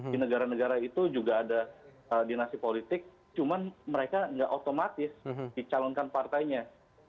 di negara negara itu juga ada dinasti politik cuman mereka nggak otomatis dicalonkan partainya